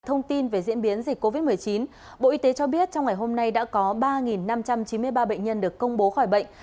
thông tin về diễn biến dịch covid một mươi chín bộ y tế cho biết trong ngày hôm nay đã có ba năm trăm chín mươi ba bệnh nhân được công bố khỏi bệnh